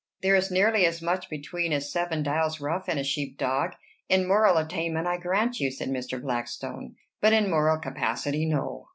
"There is nearly as much between a Seven Dialsrough and a sheep dog." "In moral attainment, I grant you," said Mr. Blackstone; "but in moral capacity, no.